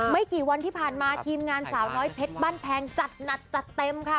ไม่กี่วันที่ผ่านมาทีมงานสาวน้อยเพชรบ้านแพงจัดหนักจัดเต็มค่ะ